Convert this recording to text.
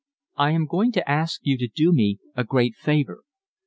I am going to ask you to do me a great favour.